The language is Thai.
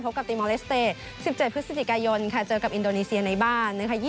พบกับติมอเลสเตย์๑๗พฤศจิกายนเจอกับอินโดนีเซียในบ้าน